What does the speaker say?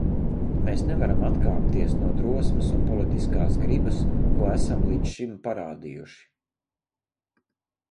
Mēs nevaram atkāpties no drosmes un politiskās gribas, ko esam līdz šim parādījuši.